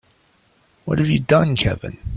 What have you done Kevin?